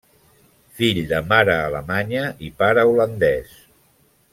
Fill de mare alemanya i pare holandès.